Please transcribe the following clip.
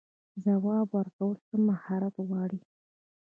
ځواب ورکول څه مهارت غواړي؟